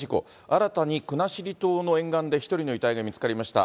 新たに国後島の沿岸で１人の遺体が見つかりました。